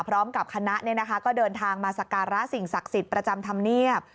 พร้อมกับคณะก็เดินทางมาสการะสิ่งศักดิ์สิทธิ์ประจำธรรมเนียบ